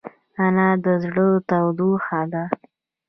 انا د زړه تودوخه ده